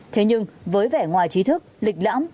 thế nhưng với vẻ ngoài trí thức lịch lãm